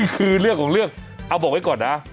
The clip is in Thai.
คือเรื่องของเรื่องเอาบอกไว้ก่อนนะ